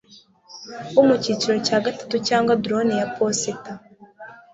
wo mucyiciro cya gatatu cyangwa drone ya posita